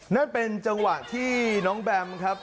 นั่นเป็นจังหวะที่น้องแบมครับ